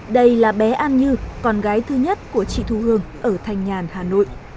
đây là bé an như con gái thứ nhất của chị thu hương ở thanh nhàn hà nội